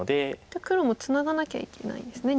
じゃあ黒もツナがなきゃいけないんですね